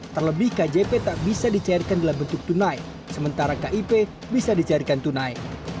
terlebih kjp tak bisa dicairkan dalam bentuk tunai sementara kip bisa dicarikan tunai